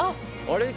あれ？